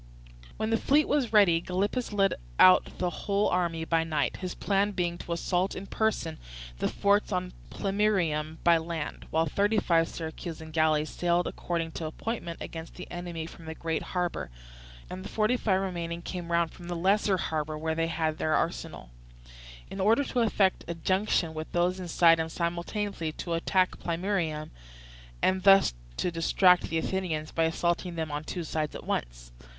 When the fleet was ready, Gylippus led out the whole army by night; his plan being to assault in person the forts on Plemmyrium by land, while thirty five Syracusan galleys sailed according to appointment against the enemy from the great harbour, and the forty five remaining came round from the lesser harbour, where they had their arsenal, in order to effect a junction with those inside and simultaneously to attack Plemmyrium, and thus to distract the Athenians by assaulting them on two sides at once.